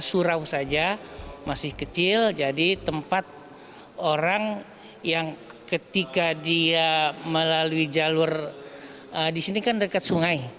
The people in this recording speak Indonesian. surau saja masih kecil jadi tempat orang yang ketika dia melalui jalur di sini kan dekat sungai